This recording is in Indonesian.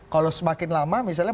kalau semakin lama misalnya